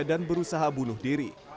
dan berusaha bunuh diri